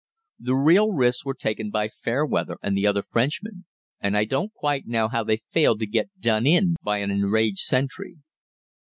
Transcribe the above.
The real risks were taken by Fairweather and the other Frenchman, and I don't quite know how they failed to get "done in" by an enraged sentry.